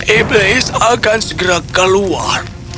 iblis akan segera keluar